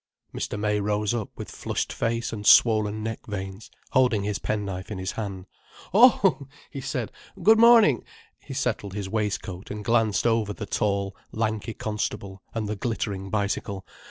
Mr. May rose up with flushed face and swollen neck veins, holding his pen knife in his hand. "Oh," he said, "good morning." He settled his waistcoat and glanced over the tall, lanky constable and the glittering bicycle.